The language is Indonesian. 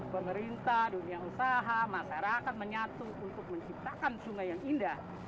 pemerintah dunia usaha masyarakat menyatu untuk menciptakan sungai yang indah